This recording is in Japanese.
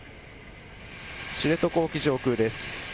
知床沖上空です。